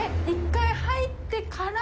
１回入ってから。